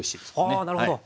ああなるほど。